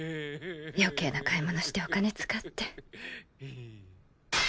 余計な買い物してお金使って。